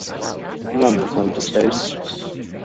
None were flown to space.